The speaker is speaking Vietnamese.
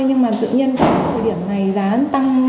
nhưng mà tự nhiên trong thời điểm này giá tăng